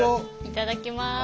いただきます！